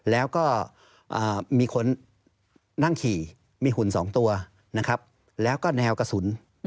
แล้วก็มีคนนั่งขี่มีหุ่น๒ตัวนะครับแล้วก็แนวกระสุน